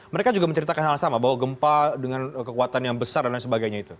mereka juga menceritakan hal sama bahwa gempa dengan kekuatan yang besar dan lain sebagainya itu